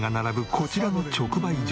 こちらの直売所では。